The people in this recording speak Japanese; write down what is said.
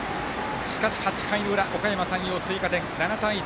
しかし８回の裏おかやま山陽、追加点、７対１。